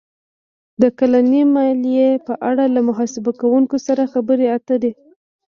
-د کلنۍ مالیې په اړه له محاسبه کوونکي سره خبرې اتر ې